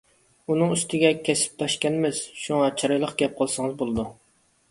ئۇنىڭ ئۈستىگە كەسىپداشكەنمىز. شۇڭا چىرايلىق گەپ قىلسىڭىز بولىدۇ.